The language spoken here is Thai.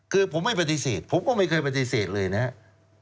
คือผมไม่ปฏิเสธผมก็ไม่เคยปฏิเสธเลยนะครับ